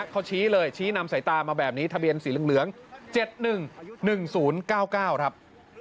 เขาชี้เลยชี้นำสายตามาแบบนี้ทะเบียนสีเหลืองเหลืองเจ็ดหนึ่งหนึ่งศูนย์เก้าเก้าครับ